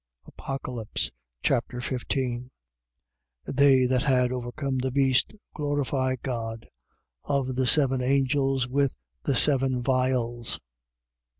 Apocalypse Chapter 15 They that have overcome the beast glorify God. Of the seven angels with the seven vials.